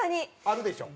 あるでしょ。